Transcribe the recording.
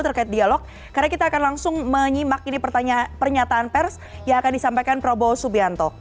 terkait dialog karena kita akan langsung menyimak ini pernyataan pers yang akan disampaikan prabowo subianto